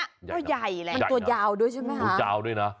ตัวใหญ่แหละมันตัวยาวด้วยใช่ไหมคะตัวยาวด้วยนะ